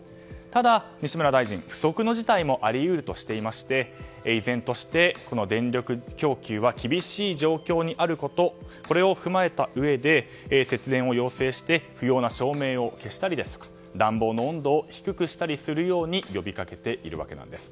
ただ、西村大臣不測の事態もあり得るとして依然として電力供給は厳しい状況にあることこれを踏まえたうえで節電を要請して不要な照明を消したり暖房の温度を低くするように呼びかけているわけなんです。